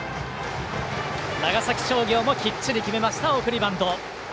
長崎商業もきっちり決めました送りバント。